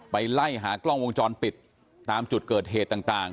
ไปไล่หากล้องวงจรปิดตามจุดเกิดเหตุต่าง